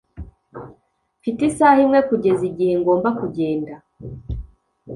Mfite isaha imwe kugeza igihe ngomba kugenda